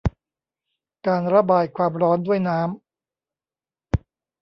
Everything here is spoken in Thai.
การระบายความร้อนด้วยน้ำ